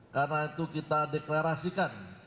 karena itu kita deklarasikan